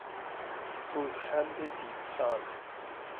پوزخند دیوسان